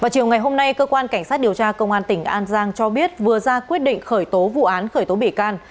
chiều ngày hôm nay cơ quan cảnh sát điều tra công an tỉnh an giang cho biết vừa ra quyết định khởi tố vụ án khởi tố bị can